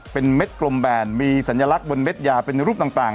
เป็นเม็ดกลมแบนมีสัญลักษณ์บนเม็ดยาเป็นรูปต่าง